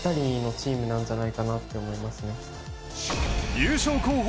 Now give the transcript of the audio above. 優勝候補